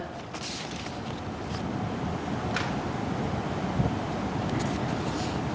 trên báo lao động